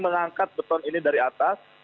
mengangkat beton ini dari atas